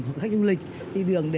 hoặc khách du lịch đi đường để